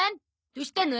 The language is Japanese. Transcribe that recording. どうしたの？